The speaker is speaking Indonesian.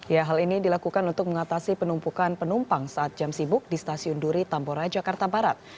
ya hal ini dilakukan untuk mengatasi penumpukan penumpang saat jam sibuk di stasiun duri tambora jakarta barat